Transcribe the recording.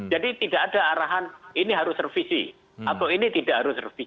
jadi tidak ada arahan ini harus servisi atau ini tidak harus servisi